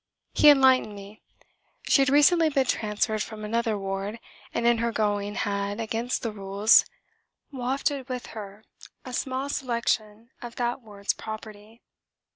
He enlightened me. She had recently been transferred from another ward and in her going had (against the rules) wafted with her a small selection of that ward's property....